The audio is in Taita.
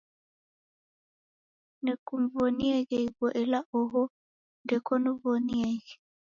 Nekuw'onieghe ighuo, ela oho ndekoniw'onieghe